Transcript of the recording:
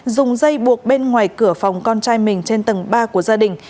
dùng dây buộc bên ngoài cửa phòng con trai mình trên tầng ba của gia đình